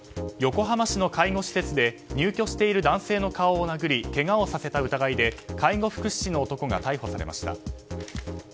横浜市の介護施設で入居している男性の顔を殴りけがをさせた疑いで介護福祉士の男が逮捕されました。